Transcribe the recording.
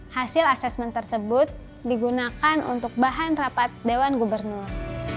hasil asesmen tersebut digunakan untuk bahan rapat dewan gubernur